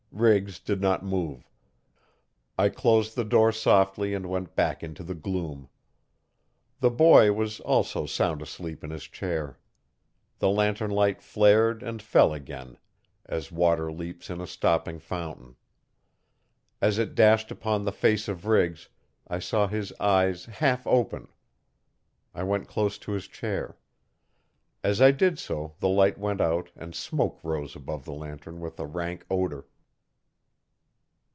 Riggs did not move. I closed the door softly and went back into the gloom. The boy was also sound asleep in his chair. The lantern light flared and fell again as water leaps in a stopping fountain. As it dashed upon the face of Riggs I saw his eyes half open. I went close to his chair. As I did so the light went out and smoke rose above the lantern with a rank odour.